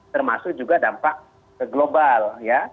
termasuk juga dampak global ya